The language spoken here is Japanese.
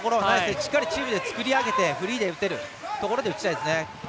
しっかりチームで作り上げてフリーで打てるところで打ちたいですね。